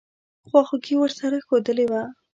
خواخوږي ورسره ښودلې وه.